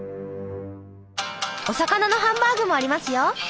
お魚のハンバーグもありますよ！